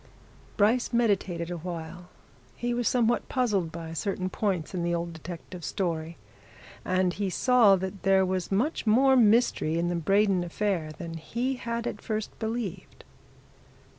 Bryce meditated awhile. He was somewhat puzzled by certain points in the old detective's story, and he saw now that there was much more mystery in the Braden affair than he had at first believed.